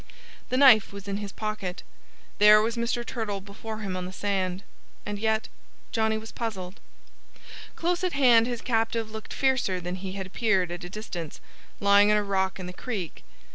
The knife was in his pocket. There was Mr. Turtle before him on the sand. And yet Johnnie was puzzled. Close at hand his captive looked fiercer than he had appeared at a distance, lying on a rock in the creek.